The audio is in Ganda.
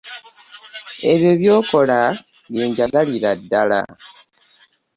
Ebyo byokola byenjagalira ddala.